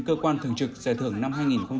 cơ quan thường trực giải thưởng năm hai nghìn hai mươi